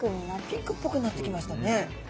ピンクっぽくなってきましたね。